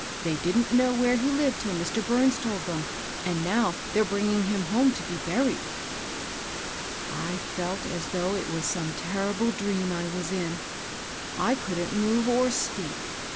They didn't know where he Uved till Mr. Bums told them ; and now they're bringing him home to be buried." ^^ I felt as though it was some terrible dream I was in. I couldn't move or speak.